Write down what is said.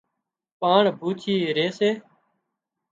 پاڻ ڀوڇي ري سي